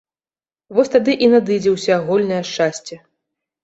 Вось тады і надыдзе ўсеагульнае шчасце.